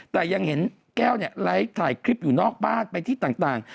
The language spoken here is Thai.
แต่ยังเห็นแก้วเนี่ยไลฟ์ถ่ายคลิปอยู่นอกบ้านไปที่ต่าง